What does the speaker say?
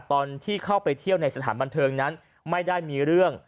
ตอนที่เข้าไปเที่ยวในสถานบันเทิงนั้นไม่ได้มีเรื่อง